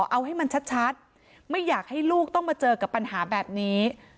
เอาให้มันชัดไม่อยากให้ลูกต้องมาเจอกับปัญหาแบบนี้